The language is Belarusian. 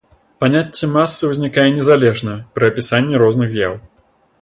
Паняцце масы ўзнікае незалежна пры апісанні розных з'яў.